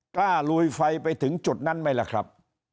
ลุยไฟไปถึงจุดนั้นไหมล่ะครับ